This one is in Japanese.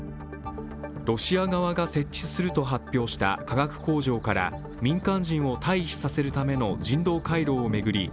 ロシア側が設置すると発表した化学工場から民間人を退避させるための人道回廊を巡り